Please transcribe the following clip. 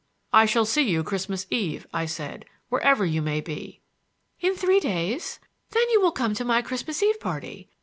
"I shall see you Christmas Eve," I said, "wherever you may be." "In three days? Then you will come to my Christmas Eve party.